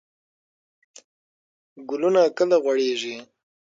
ګلونه کله غوړیږي؟